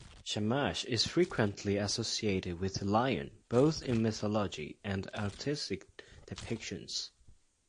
Shamash is frequently associated with the lion, both in mythology and artistic depictions.